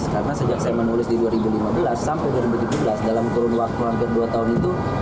karena sejak saya menulis di dua ribu lima belas sampai dua ribu tujuh belas dalam kurun waktu hampir dua tahun itu